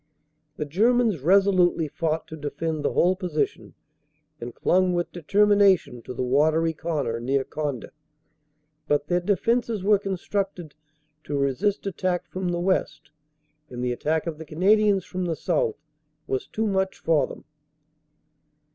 The Germans resolutely fought to defend the whole position and clung with determination to the watery corner near Conde. But their defenses were con structed to resist attack from the west, and the attack of the Canadians from the south was too much for them.